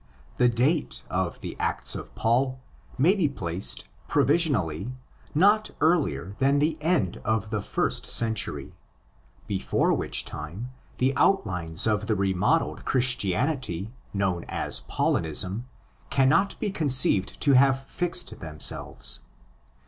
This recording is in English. The date of the Acts of Paul may be placed provision ally not earlier than the end of the first century, before which time the outlines of the remodelled Christianity known as "" Paulinism"' cannot be con ceived to have fixed themselves.